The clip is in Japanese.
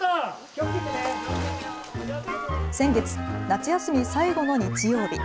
先月、夏休み最後の日曜日。